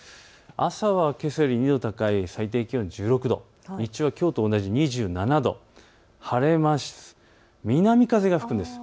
朝はけさより２度高い最低気温１６度、日中はきょうと同じ２７度、晴れます。